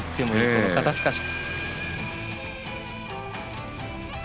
この肩透かし。